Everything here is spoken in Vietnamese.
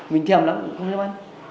mình thèm lắm không thèm ăn